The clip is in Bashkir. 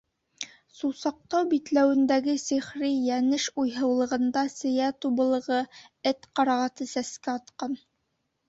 Сусаҡтау битләүендәге сихри Йәнеш уйһыулығында сейә, тубылғы, эт ҡарағаты сәскә атҡан.